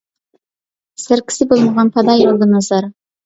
سەركىسى بولمىغان پادا يولدىن ئازار.